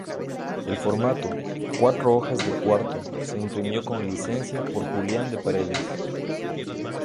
El formato, cuatro hojas en cuarto, se imprimió con licencia por Julián de Paredes.